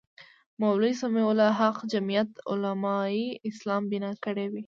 مولوي سمیع الحق جمیعت علمای اسلام بنا کړې وې.